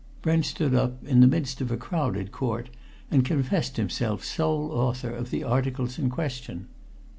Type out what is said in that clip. Brent stood up, in the midst of a crowded court, and confessed himself sole author of the articles in question.